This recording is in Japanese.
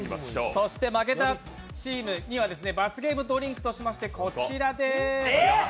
負けたチームには罰ゲームドリンクとしまして、こちらです。